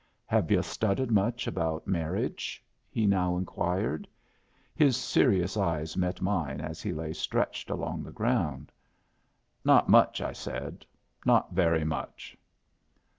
"Have yu' studded much about marriage?" he now inquired. His serious eyes met mine as he lay stretched along the ground. "Not much," I said; "not very much."